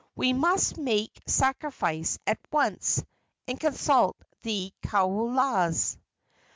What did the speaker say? We must make sacrifice at once, and consult the kaulas."